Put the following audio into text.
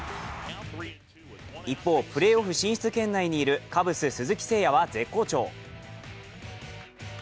一方、プレーオフ進出圏内にいるカブス・鈴木誠也は絶好調。